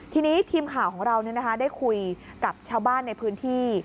ทีนี้ทีมข่าวของเราได้คุยกับชาวบ้านในพื้นที่